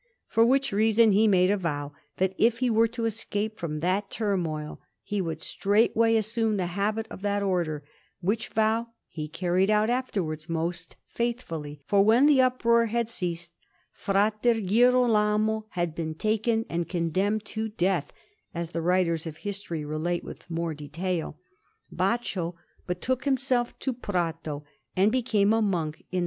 For which reason he made a vow that if he were to escape from that turmoil, he would straightway assume the habit of that Order; which vow he carried out afterwards most faithfully, for when the uproar had ceased, and Fra Girolamo had been taken and condemned to death, as the writers of history relate with more detail, Baccio betook himself to Prato and became a monk in S.